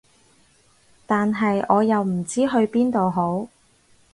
但係我又唔知去邊度好